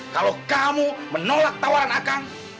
kalau kamu menolak tawaran akang